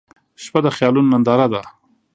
• شپه د خیالونو ننداره ده.